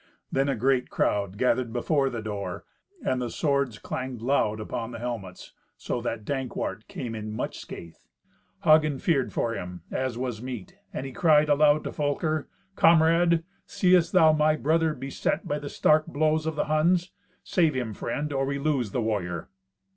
Then a great crowd gathered before the door, and the swords clanged loud upon the helmets, so that Dankwart came in much scathe. Hagen feared for him, as was meet, and he cried aloud to Folker, "Comrade, seest thou my brother beset by the stark blows of the Huns? Save him, friend, or we lose the warrior."